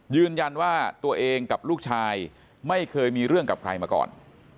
ยืนยันว่าตัวเองกับลูกชายไม่เคยมีเรื่องกับใครมาก่อน